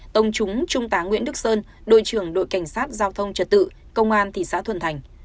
tông trúng trung tá nguyễn đức sơn đội trưởng đội cảnh sát giao thông trật tự công an thị xã thuận thành